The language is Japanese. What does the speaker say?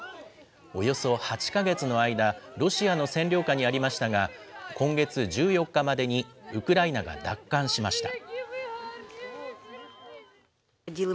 およそ８か月の間、ロシアの占領下にありましたが、今月１４日までに、ウクライナが奪還しました。